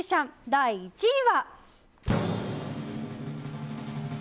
第１位は。